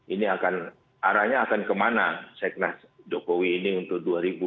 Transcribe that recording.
ini akan arahnya akan kemana seknas jokowi ini untuk dua ribu dua puluh